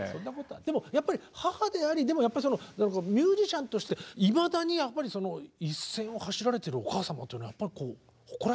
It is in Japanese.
でもやっぱり母でありでもやっぱりミュージシャンとしていまだにやっぱり一線を走られてるお母様というのは誇らしくないですか？